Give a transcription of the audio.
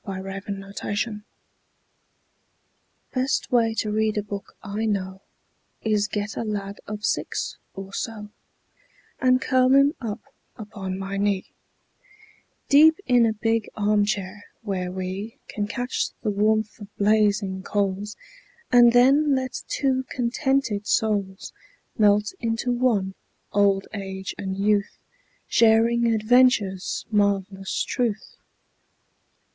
Best Way to Read a Book Best way to read a book I know Is get a lad of six or so, And curl him up upon my knee Deep in a big arm chair, where we Can catch the warmth of blazing coals, And then let two contented souls Melt into one, old age and youth, Sharing adventure's marvelous truth.